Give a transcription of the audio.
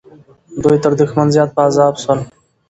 دوی تر دښمن زیات په عذاب سول.